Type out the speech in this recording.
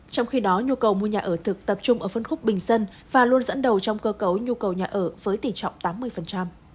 trong khi đó nhu cầu mua nhà ở thực tập trung ở phân khúc bình dân và luôn dẫn đầu trong cơ cấu nhu cầu nhà ở với tỷ trọng tám mươi